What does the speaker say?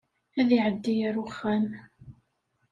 Ad iɛeddi ar wexxam.